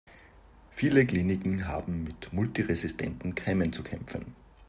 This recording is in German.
Viele Kliniken haben mit multiresistenten Keimen zu kämpfen.